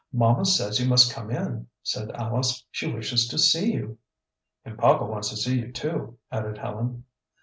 "Mamma says you must come in," said Alice. "She wishes to see you." "And papa wants to see you, too," added Helen.